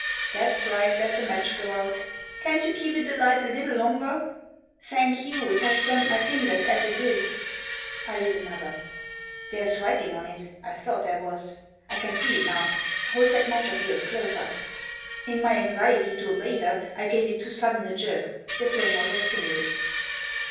That's right, let the match go out ; can't you keep it alight a little longer? "" Thank you ; it has burned my fingers as it is." I lit another. " There is writing on it ; I thought there was ; I can see it now. Hold that match of yours closer." Digitized by AN ULTIMATUM. 137 In my anxiety to obey her, I gave it too sudden a jerk, the flame was extinguished.